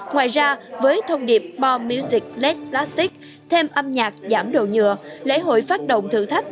ngoài ra với thông điệp bor music let plastic thêm âm nhạc giảm đồ nhựa lễ hội phát động thử thách